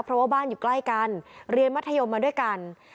เพราะว่าบ้านอยู่ใกล้กันเรียนมัธยมมาด้วยกัน